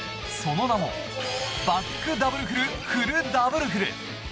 その名もバックダブルフル・フル・ダブルフル。